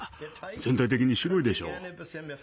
全体的に白いでしょう。